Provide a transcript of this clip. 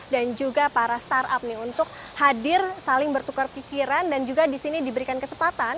juga para startup nih untuk hadir saling bertukar pikiran dan juga disini diberikan kesempatan